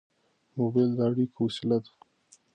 موبایل د اړیکې وسیله ده.